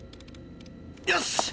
よし！